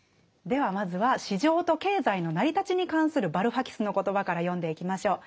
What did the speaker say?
ではまずは市場と経済の成り立ちに関するバルファキスの言葉から読んでいきましょう。